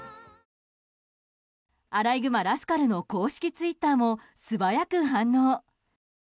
「あらいぐまラスカル」の公式ツイッターも素早く反応。